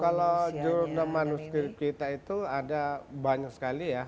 kalau jumlah manuskrip kita itu ada banyak sekali ya